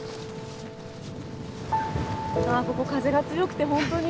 あここ風が強くて本当に。